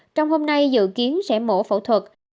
trong hôm nay dự kiến sẽ mổ phẫu thuật